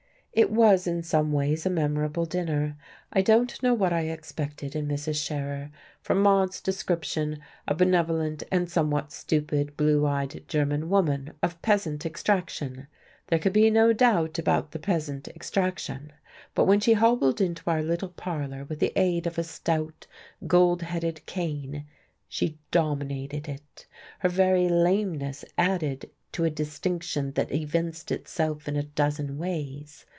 It was, in some ways, a memorable dinner. I don't know what I expected in Mrs. Scherer from Maude's description a benevolent and somewhat stupid, blue eyed German woman, of peasant extraction. There could be no doubt about the peasant extraction, but when she hobbled into our little parlour with the aid of a stout, gold headed cane she dominated it. Her very lameness added to a distinction that evinced itself in a dozen ways.